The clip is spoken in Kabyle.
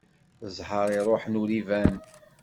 Ẓẓher iruḥen ur iban.